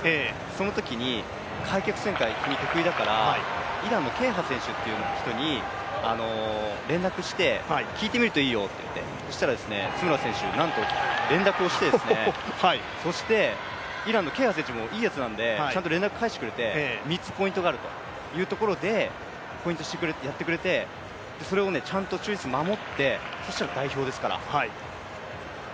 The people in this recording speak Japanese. そのときに、開脚旋回、君得意だから、イランのケイハ選手という人に連絡して、聞いてみるといいよってそしたら津村選手、なんと連絡をして、そしてイランの選手もいい奴なのでちゃんと連絡を返してくれて３つポイントがあるというところでやってくれて、それをちゃんと忠実に守って、そうしたら代表ですから。